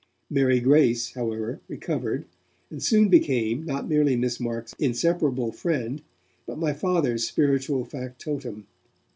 Mary Grace, however, recovered, and soon became, not merely Miss Marks' inseparable friend, but my Father's spiritual factotum.